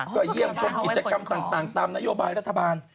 ก็เยี่ยมชมกิจกรรมต่างตามนโยบายรัฐบาล